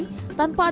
tanpa ada penghidupan